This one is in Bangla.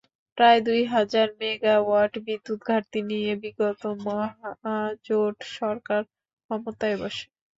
প্রায় দুই হাজার মেগাওয়াট বিদ্যুৎ ঘাটতি নিয়ে বিগত মহাজোট সরকার ক্ষমতায় বসে।